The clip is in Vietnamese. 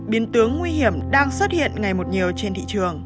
biến tướng nguy hiểm đang xuất hiện ngày một nhiều trên thị trường